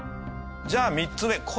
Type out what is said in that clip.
じゃあ３つ目。